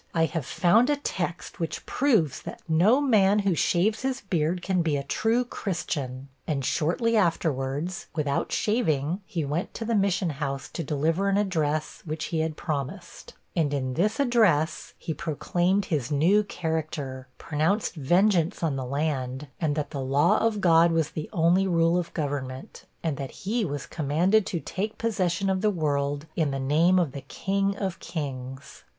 I have found a text which proves that no man who shaves his beard can be a true Christian;' and shortly afterwards, without shaving, he went to the Mission House to deliver an address which he had promised, and in this address, he proclaimed his new character, pronounced vengeance on the land, and that the law of God was the only rule of government, and that he was commanded to take possession of the world in the name of the King of kings.